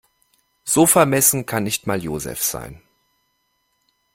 So vermessen kann nicht mal Joseph sein.